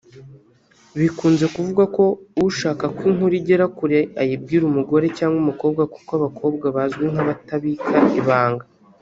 Bikunze kuvugwa ko ushaka ko inkuru igera kure ayibwira umugore cyangwa umukobwa kuko abakobwa bazwi nk’abatabika ibanga